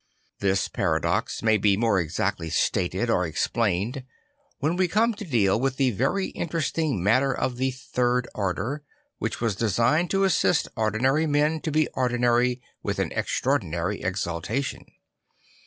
This paradox may be more exactly stated or explained when we come to deal with the very interesting matter of the Third Order, which was designed to assist ordinary men to be ordinary with an extraordinary exultation.